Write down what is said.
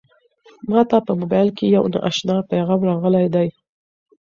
ما ته په موبایل کې یو نااشنا پیغام راغلی دی.